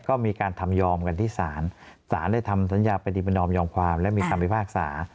ก็มีการทำยอมกันที่ศาลศาลได้ทำสัญญาปฏิประนอมยอมความและมีคำพิพากษา